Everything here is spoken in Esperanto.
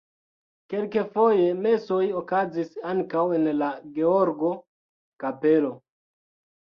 Kelkfoje mesoj okazis ankaŭ en la Georgo-kapelo.